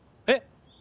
えっ？